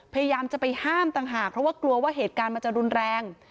พยายามจะไปห้ามต่างหากเพราะว่ากลัวว่าเหตุการณ์มันจะรุนแรง